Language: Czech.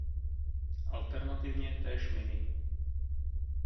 Alternativně též miny.